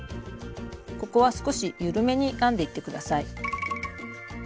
ここは少し緩めに編んでいって下さい。